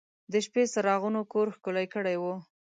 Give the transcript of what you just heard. د شپې څراغونو کور ښکلی کړی و.